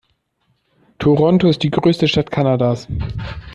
Toronto ist die größte Stadt Kanadas.